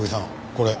これ。